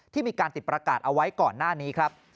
ที่มีการติดประกาศเอาไว้ก่อนหน้านี้ครับ